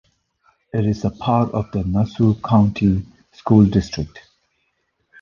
It is a part of the Nassau County School District.